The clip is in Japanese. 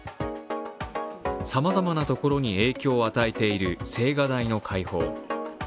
さまざまなところに影響を与えている青瓦台の開放。